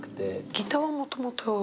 ギターはもともと？